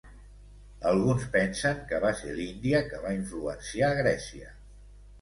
Alguns pensen que va ser l'Índia que va influenciar Grècia.